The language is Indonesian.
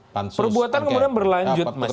perbuatan kemudian berlanjut mas